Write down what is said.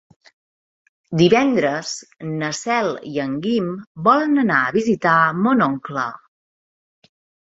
Divendres na Cel i en Guim volen anar a visitar mon oncle.